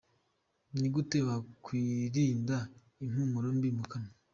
Ni gute wakwirinda impumuro mbi mu kanwa?.